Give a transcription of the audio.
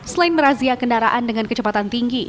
selain merazia kendaraan dengan kecepatan tinggi